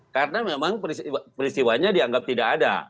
karena memang peristiwanya dianggap tidak ada